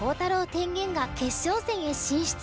天元が決勝戦へ進出。